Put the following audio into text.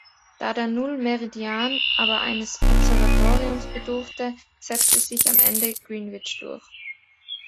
Da der Null-Meridian aber eines Observatoriums bedurfte setzte sich am Ende Greenwich durch.